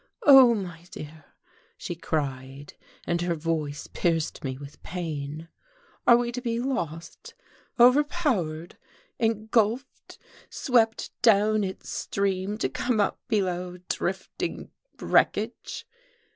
"Oh, my dear!" she cried, and her voice pierced me with pain, "are we to be lost, overpowered, engulfed, swept down its stream, to come up below drifting wreckage?